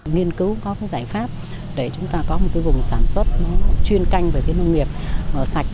nhiên cứu có giải pháp để chúng ta có một vùng sản xuất chuyên canh về nông nghiệp sạch